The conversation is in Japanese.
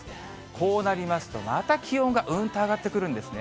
こうなりますと、また気温がうんと上がってくるんですね。